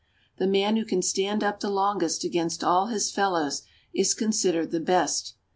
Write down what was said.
The man who can stand up the longest against all his fellows is considered the best.